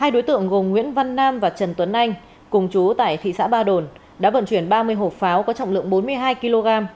hai đối tượng gồm nguyễn văn nam và trần tuấn anh cùng chú tại thị xã ba đồn đã vận chuyển ba mươi hộp pháo có trọng lượng bốn mươi hai kg